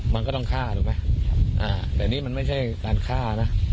มันก็ต้องฆ่าถูกไหมแต่นี่มันไม่ใช่การฆ่านะ